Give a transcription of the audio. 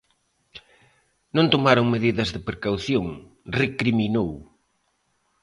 Non tomaron medidas de precaución, recriminou.